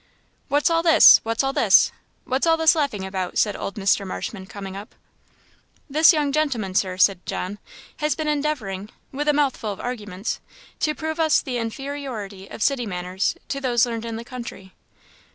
"What's all this? what's all this? what's all this laughing about?" said old Mr. Marshman, coming up. "This young gentleman, Sir," said John, "has been endeavouring with a mouthful of arguments to prove to us the inferiority of city manners to those learned in the country."